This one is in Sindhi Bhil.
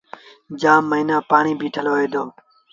جآم موهيݩآ پآڻيٚ بيٚٺل هوئي دو۔